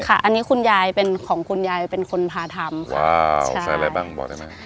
อันนี้คุณยายเป็นของคุณยายเป็นคนพาทำว้าวใส่อะไรบ้างบอกได้ไหม